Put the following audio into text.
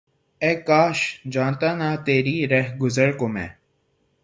اے کاش! جانتا نہ تیری رہگزر کو میں!